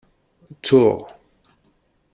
Ttuɣ.